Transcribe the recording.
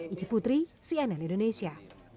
iki putri cnn indonesia